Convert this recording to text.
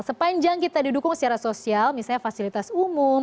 sepanjang kita didukung secara sosial misalnya fasilitas umum